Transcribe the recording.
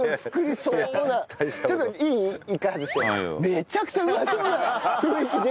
めちゃくちゃうまそうな雰囲気出てるのよ。